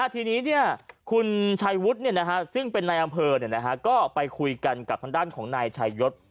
ทีนี้คุณชัยวุฒิซึ่งเป็นนายอำเภอก็ไปคุยกันกับทางด้านของนายชายศ